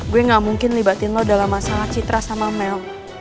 gue gak mungkin libatin lo dalam masalah citra sama mel